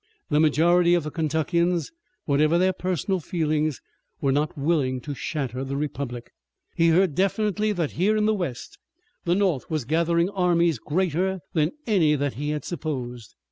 The majority of the Kentuckians, whatever their personal feelings, were not willing to shatter the republic. He heard definitely that here in the west the North was gathering armies greater than any that he had supposed.